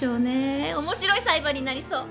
面白い裁判になりそう！